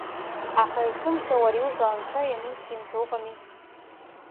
Аха есымшагьы уара иуҳәо Анцәа иануцимҳәо ыҟами…